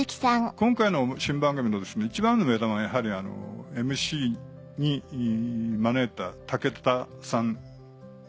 今回の新番組の一番の目玉はやはりＭＣに招いた武田さんですよね。